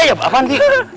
ya ya apaan sih